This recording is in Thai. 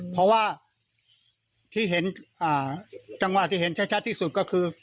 เพราะว่าที่เห็นจังหวะที่เห็นชัดที่สุดก็คือ